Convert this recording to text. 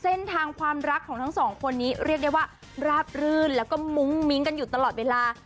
เส้นทางความรักของทั้งสองคนนี้เรียกได้ว่าราบรื่นแล้วก็มุ้งมิ้งกันอยู่ตลอดเวลา